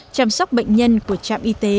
chăm sóc bệnh nhân của trạm y tế